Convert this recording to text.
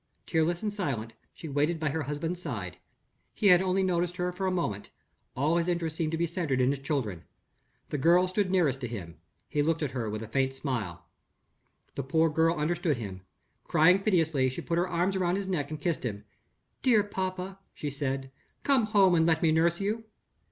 Tearless and silent, she waited by her husband's side. He had only noticed her for a moment. All his interest seemed to be centered in his children. The girl stood nearest to him, he looked at her with a faint smile. The poor child understood him. Crying piteously, she put her arms around his neck and kissed him. "Dear papa," she said; "come home and let me nurse you."